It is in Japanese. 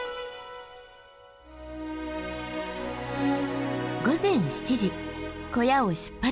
午前７時小屋を出発。